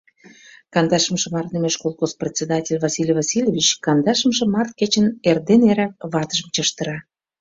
Кандашымше Март лӱмеш колхоз председатель Василий Васильевич кандашымше март кечын эрдене-эрак ватыжым чыштыра: